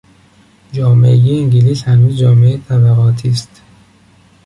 جامعهی انگلیس هنوز جامعهای طبقاتی است.